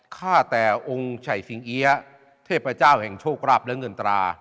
ฆ่าแต่องค์ไฉสิงเอี๊ยเทพเจ้าแห่งโชคราบและเงินตรา